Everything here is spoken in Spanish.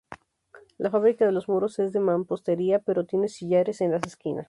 La fábrica de los muros es de mampostería, pero tiene sillares en las esquinas.